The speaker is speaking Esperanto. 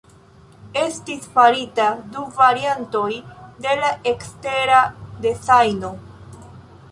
Estis faritaj du variantoj de la ekstera dezajno.